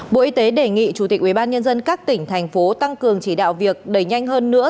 bộ y tế đề nghị chủ tịch ubnd các tỉnh thành phố tăng cường chỉ đạo việc đẩy nhanh hơn nữa